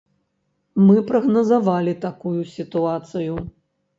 Мы прагназавалі такую сітуацыю.